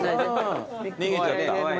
逃げちゃった。